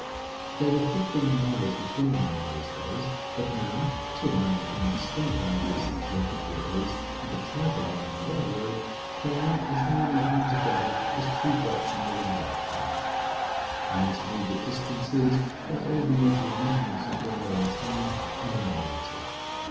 There were fifteen miles between them in those days; but now (to a man of indistinct ideas of geography, at least, and a traveller on the Rail road) they are as nearly run together as two drops on the window pane. The intermediate distance is, by all the usual measurements of wear and time, annihilated.